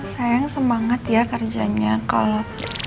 sayang semangat ya kerjanya kalau